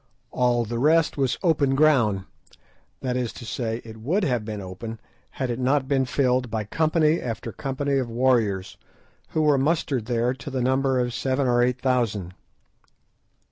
All the rest was open ground; that is to say, it would have been open had it not been filled by company after company of warriors, who were mustered there to the number of seven or eight thousand.